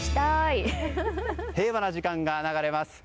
平和な時間が流れます。